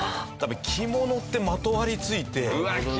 着物ってまとわりついて。